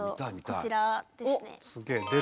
こちらですね。